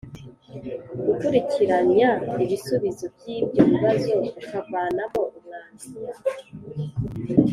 gukurikiranya ibisubizo by’ibyo bibazo ukavanamo umwandiko